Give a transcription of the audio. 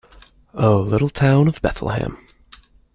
O little town of Bethlehem.